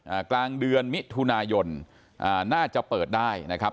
กลางเดือนมิถุนายนอ่าน่าจะเปิดได้นะครับ